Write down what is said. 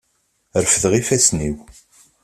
Refdeɣ ifassen-iw.